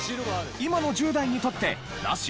今の１０代にとってナシ？